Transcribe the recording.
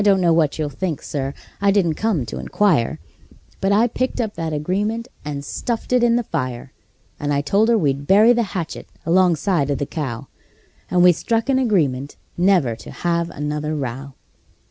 I don't know what you'll think, Sir I didn't come to inquire But I picked up that agreement and stuffed it in the fire; And I told her we'd bury the hatchet alongside of the cow; And we struck an agreement never to have another row.